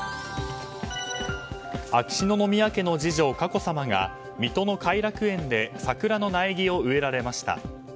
秋篠宮家の次女・佳子さまが水戸の偕楽園で桜の苗木を植えられました。